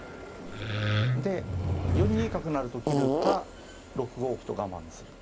で４二角成と切るか６五歩と我慢するか。